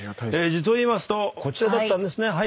実をいいますとこちらだったんですね。